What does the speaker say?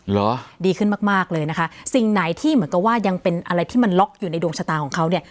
ดีขึ้นมากมากเลยนะคะสิ่งไหนที่เหมือนกับว่ายังเป็นอะไรที่มันล็อกอยู่ในดวงชะตาของเขาเนี่ย